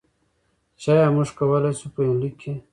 چې ایا موږ کولی شو، په یونلیک کې.